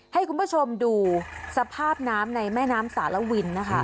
ให้คุณผู้ชมดูสภาพน้ำในแม่น้ำสารวินนะคะ